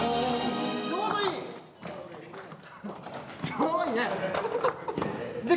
ちょうどいいね。